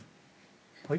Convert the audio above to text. はい？